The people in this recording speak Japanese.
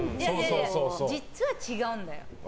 実は違うんだよ。